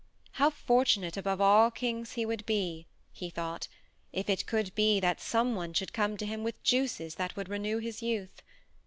How fortunate above all kings he would be, he thought, if it could be that some one should come to him with juices that would renew his youth!